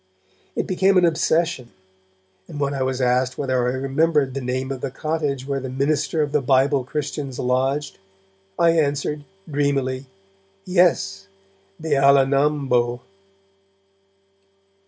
It became an obsession, and when I was asked whether I remembered the name of the cottage where the minister of the Bible Christians lodged, I answered, dreamily, 'Yes, Beala nambo.'